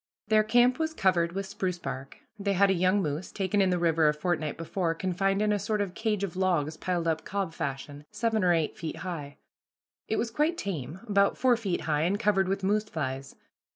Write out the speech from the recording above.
Their camp was covered with spruce bark. They had a young moose, taken in the river a fortnight before, confined in a sort of cage of logs piled up cob fashion, seven or eight feet high. It was quite tame, about four feet high, and covered with moose flies.